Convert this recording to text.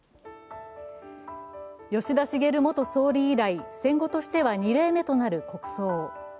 吉田茂元総理以来、戦後としては２例目となる国葬。